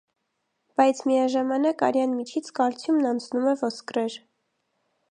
Բայց միաժամանակ, արյան միջից կալցիումն անցնում է ոսկրեր։